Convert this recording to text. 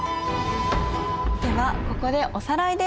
ではここでおさらいです。